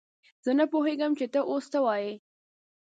زه نه پوهېږم چې ته اوس څه وايې!